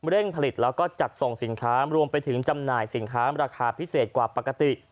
เร่งผลิตแล้วก็จัดส่งสินค้ารวมไปถึงจำหน่ายสินค้าราคาพิเศษกว่าปกติ